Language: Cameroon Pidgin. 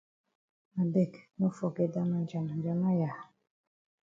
I beg no forget dat ma njamanjama ya.